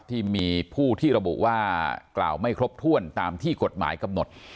ที่มีผู้ที่ระบุว่ากล่าวไม่ครบถ้วนตามที่กฎหมายกำหนด